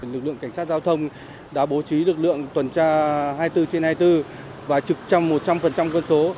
lực lượng cảnh sát giao thông đã bố trí lực lượng tuần tra hai mươi bốn trên hai mươi bốn và trực trăm một trăm linh cân số